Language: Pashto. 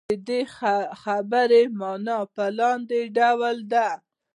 د دې خبرې معنا په لاندې ډول ده.